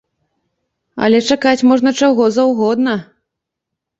Але чакаць можна чаго заўгодна.